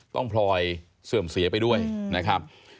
พลอยเสื่อมเสียไปด้วยนะครับ